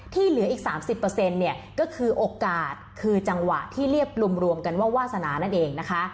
เหลืออีก๓๐เนี่ยก็คือโอกาสคือจังหวะที่เรียบรวมกันว่าวาสนานั่นเองนะคะ